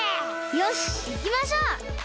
よしいきましょう！